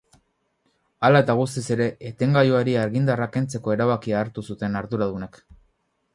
Hala eta guztiz ere, etengailuari argindarra kentzeko erabakia hartu zuten arduradunek.